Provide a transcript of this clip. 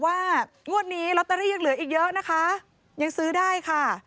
ลอตเตอรี่โตเตอรียังเหลืออีกเยอะนะคะ